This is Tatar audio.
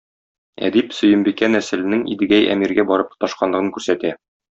Әдип Сөембикә нәселенең Идегәй әмиргә барып тоташканлыгын күрсәтә.